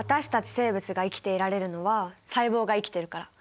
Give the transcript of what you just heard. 生物が生きていられるのは細胞が生きてるから。